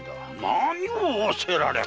何を仰せられます！